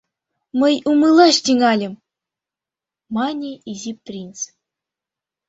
— Мый умылаш тӱҥальым, — мане Изи принц.